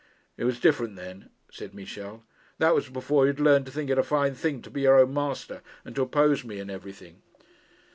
'It was different then,' said Michel. 'That was before you had learned to think it a fine thing to be your own master and to oppose me in everything.'